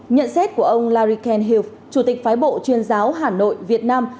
nhận xét của ông larry kenhiel chủ tịch phái bộ chuyên giáo hà nội việt nam